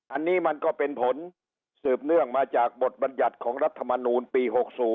อันนี้มันก็เป็นผลสืบเนื่องมาจากบทบัญญัติของรัฐมนูลปี๖๐